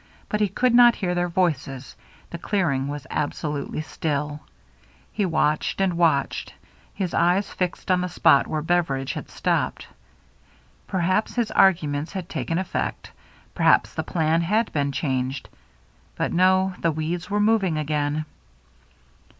But he could not hear their voices — the clear ing was absolutely still. He watched^ — and watched — his eyes fixed on the spot where Beveridge had stopped. Perhaps his argu ments had taken effect ; perhaps the plan had been changed. But no, the weeds were mov ing again.